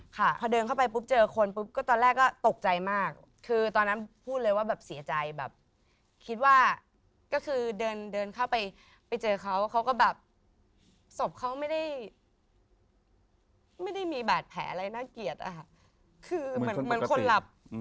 ค่ะพอเดินเข้าไปปุ๊บเจอคนปุ๊บก็ตอนแรกก็ตกใจมากคือตอนนั้นพูดเลยว่าแบบเสียใจแบบคิดว่าก็คือเดินเดินเข้าไปไปเจอเขาเขาก็แบบศพเขาไม่ได้มีบาดแผลอะไรน่าเกลียดอะค่ะคือเหมือนคนหลับ